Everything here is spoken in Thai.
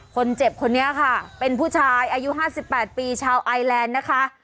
คนเจ็บคนนี้ค่ะเป็นผู้ชายอายุ๕๘ปีชาวไอแลนด์นะคะ